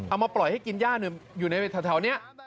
เอามาปล่อยให้กินย่าหนึ่งอยู่ในเท่านี้